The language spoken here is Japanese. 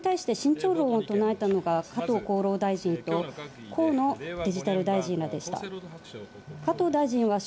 これに対して慎重論を唱えたのが加藤厚労大臣と河野デジタル大臣らでした。